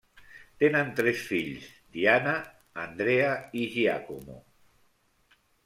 Tenen tres fills, Diana, Andrea i Giacomo.